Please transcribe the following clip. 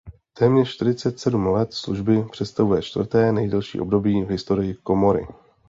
Téměř čtyřicet sedm let služby představuje čtvrté nejdelší období v historii komory.